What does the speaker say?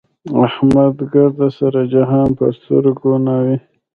احمد ګردسره جهان په سترګو نه وي.